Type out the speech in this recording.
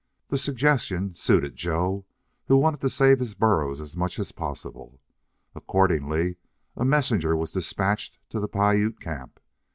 The suggestion suited Joe, who wanted to save his burros as much as possible. Accordingly, a messenger was despatched to the Piute camp.